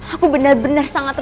aku benar benar sangat